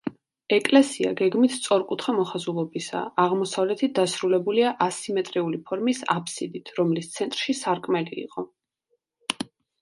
ეკლესია გეგმით სწორკუთხა მოხაზულობისაა, აღმოსავლეთით დასრულებულია ასიმეტრიული ფორმის აბსიდით, რომლის ცენტრში სარკმელი იყო.